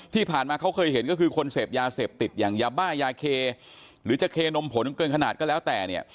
ที่ผ่านมาเขาเคยเห็นก็คือคนเสพยาเสพติดอย่างยาบ้ายาเคหรือจะเคนมผลเกินขนาดก็แล้วแต่เนี่ย